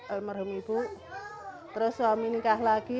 almarhum ibu terus suami nikah lagi